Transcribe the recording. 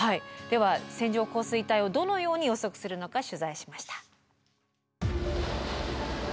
では線状降水帯をどのように予測するのか取材しました。